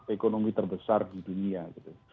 dua puluh ekonomi terbesar di dunia gitu